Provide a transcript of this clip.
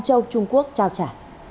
trung quốc trao trả